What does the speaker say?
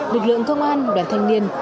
lực lượng công an đoàn thanh niên